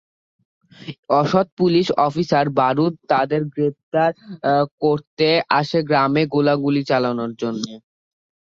অসৎ police officer বারুদ তাদের গ্রেপ্তার করতে আসে গ্রামে গোলাগুলি চালানোর জন্যে।